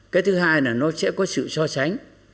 cái thứ hai là nó sẽ có sự so sánh